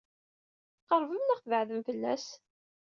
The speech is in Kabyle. Tqeṛbem neɣ tbeɛdem fell-as?